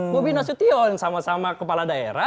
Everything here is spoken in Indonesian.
banyak anak muda lain yang kompeten